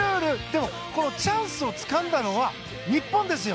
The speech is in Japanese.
でも、チャンスをつかんだのは日本ですよ。